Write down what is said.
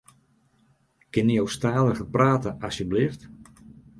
Kinne jo stadiger prate asjebleaft?